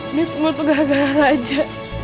ini semua pegangan raja